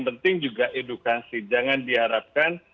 penting juga edukasi jangan diharapkan